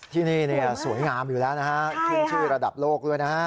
ที่นี่สวยงามอยู่แล้วนะฮะขึ้นชื่อระดับโลกด้วยนะฮะ